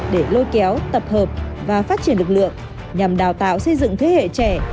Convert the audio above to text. để lôi kéo tập hợp và phát triển lực lượng nhằm đào tạo xây dựng thế hệ trẻ